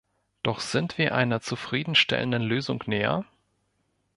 Doch sind wir einer zufriedenstellenden Lösung näher?